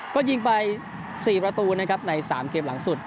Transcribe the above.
ก็ยิงไป๔ประตูนะครับใน๓เกมหลังสุด